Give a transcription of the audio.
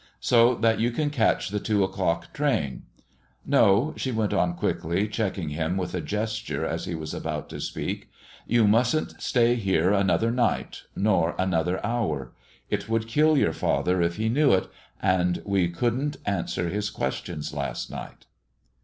"so that you can catch the two o'clock train. No!" she went on quickly, checking him with a gesture as he was about to speak, "you mustn't stay here another night, nor another hour. It would kill your father if he knew it, and we couldn't answer his questions to night."